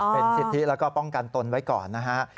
เป็นสิทธิแล้วก็ป้องกันตนไว้ก่อนนะฮะ